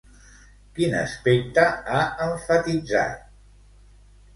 Quin aspecte ha emfatitzat?